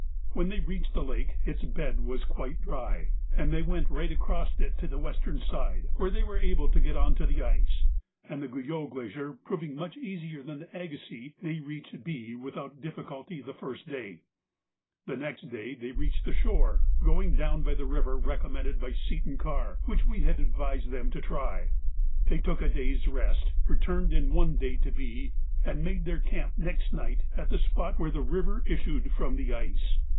When they reached the lake its bed was quite dry, and they went right across it to the western side, where they were able to get on to the ice, and, the Guyot Glacier proving much easier than the Agassiz, they reached B without difficulty the first day. The next day they reached the shore, going down by the river recommended by Seton Karr, which we had advised them to try. They took a day's rest, returned in one day to B, and made their camp next night at the spot where the river issued from the ice.